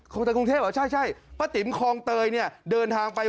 ของกรุงเทพฯเหรอใช่ป้าติ๋มคองเตยเดินทางไป